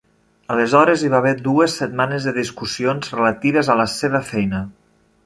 Aleshores hi va haver dues setmanes de discussions relatives a la seva feina.